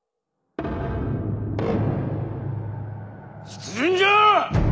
出陣じゃ！